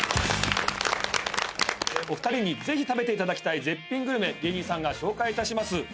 お二人に食べていただきたい絶品グルメ紹介いたします。